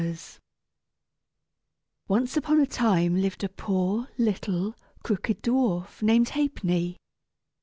] Once upon a time lived a poor, little, crooked dwarf named "Ha'penny."